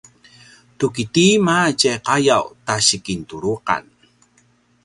tu ki tima tjai qayaw ta si kintuluqan?